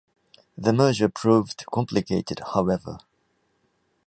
The merger proved complicated, however.